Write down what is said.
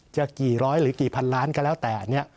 จะกี่ร้อยหรือกี่พันล้านก็แล้วแต่เนี่ย